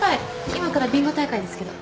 今からビンゴ大会ですけど。